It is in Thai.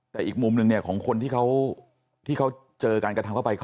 แต่อีกมุมหนึ่งเนี่ยของคนที่เขาเจอการกระทำเข้าไป